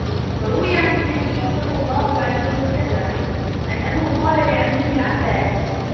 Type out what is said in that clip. رُوِيَ عَنْ النَّبِيِّ صَلَّى اللَّهُ عَلَيْهِ وَسَلَّمَ أَنَّهُ قَالَ لِعَمِّهِ الْعَبَّاسِ